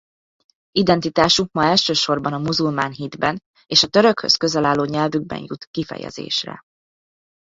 Identitásuk ma elsősorban a muzulmán hitben és a törökhöz közel álló nyelvükben jut kifejezésre.